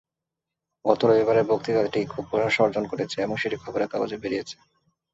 গত রবিবারের বক্তৃতাটি খুব প্রশংসা অর্জন করেছে, এবং সেটি খবরের কাগজে বেরিয়েছে।